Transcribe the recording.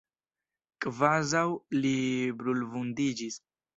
Kvazaŭ li brulvundiĝis.